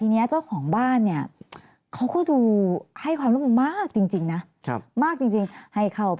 นี้เจ้าของบ้านเขาก็ดูให้ความรู้มากจริงนะ